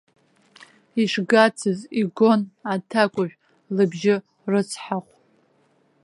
Ишгацыз игон аҭакәажә лыбжь рыцҳахә.